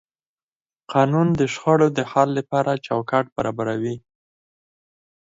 قانون د شخړو د حل لپاره چوکاټ برابروي.